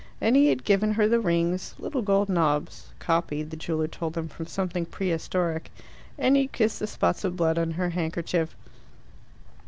And he had given her the rings little gold knobs, copied, the jeweller told them, from something prehistoric and he had kissed the spots of blood on her handkerchief.